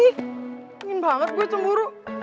ingin banget gue cemburu